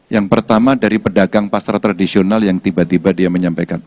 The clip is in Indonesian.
yang pertama dari pedagang pasar tradisional yang tiba tiba dia menyampaikan